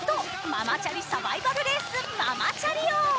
ママチャリサバイバルレースママチャリ王！